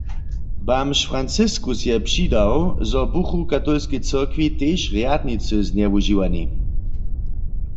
Bamž Franciskus je přidał, zo buchu w katolskej cyrkwi tež rjadnicy znjewužiwani.